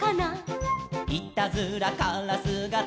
「いたずらからすがとったかな」